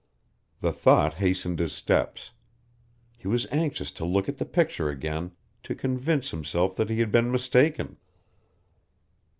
The thought hastened his steps. He was anxious to look at the picture again, to convince himself that he had been mistaken.